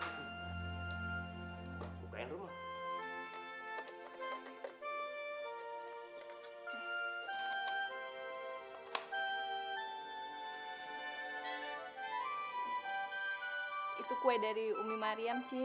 itu kue dari ummi mariam cing